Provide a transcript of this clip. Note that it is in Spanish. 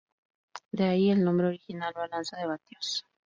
De ahí el nombre original "balanza de vatios".